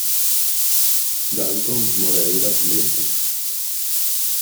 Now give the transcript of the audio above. Dalton Moreira Neto